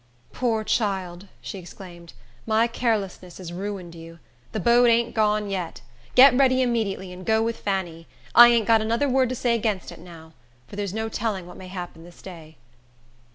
"Poor child!" she exclaimed, "my carelessness has ruined you. The boat ain't gone yet. Get ready immediately, and go with Fanny. I ain't got another word to say against it now; for there's no telling what may happen this day."